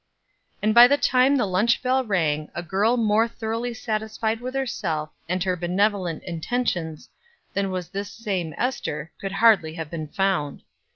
And by the time the lunch bell rang a girl more thoroughly satisfied with herself and her benevolent intentions, than was this same Ester, could hardly have been found.